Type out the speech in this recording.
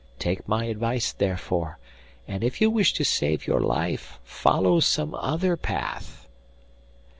Take my advice, therefore, and if you wish to save your life follow some other path.